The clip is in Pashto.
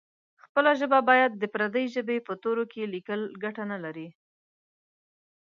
خپله ژبه باید د پردۍ ژبې په تورو کې لیکل ګټه نه لري.